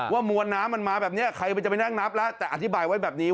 มวลน้ำมันมาแบบนี้ใครมันจะไปนั่งนับแล้วแต่อธิบายไว้แบบนี้